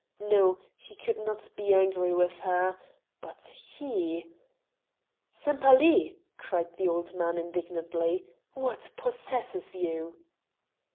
No he could not be angry with her. But he! "Sempaly!" cried the old man indignantly: "What possesses you?"